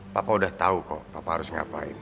papa udah tahu kok papa harus ngapain